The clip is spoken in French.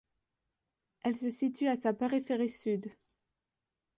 Elle se situe à sa périphérie sud.